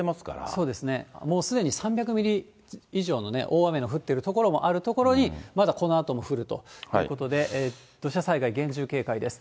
そうですね、もうすでに３００ミリ以上の大雨の降っている所もあるところに、まだこのあとも降るということで、土砂災害、厳重警戒です。